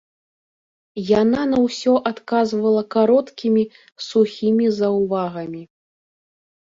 Яна на ўсё адказвала кароткімі сухімі заўвагамі.